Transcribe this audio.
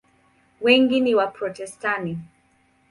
Wengi ni Waprotestanti.